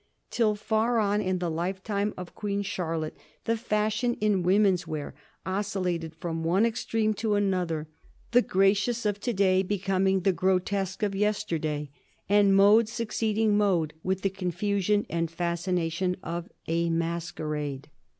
Till far on in the lifetime of Queen Charlotte the fashion in women's wear oscillated from one extreme to another, the gracious of to day becoming the grotesque of yesterday, and mode succeeding mode with the confusion and fascination of a masquerade.